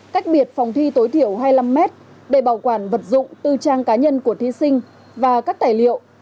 cách biệt phòng thi tối thiểu hai mươi năm m để bảo quản vật dụng tư trang cá nhân của thí sinh và các tài liệu